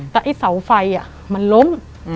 แต่ไอ้เสาไฟมันล้ม